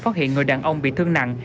phát hiện người đàn ông bị thương nặng